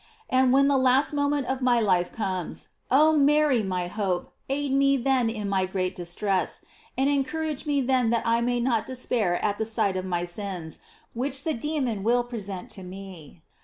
And when the last moment of my life comes, oh Mary my hope, aid me then in my great distress, and encourage me then that I may not despair at the sight of my sins which the demon will present to me.